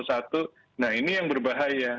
nah ini yang berbahaya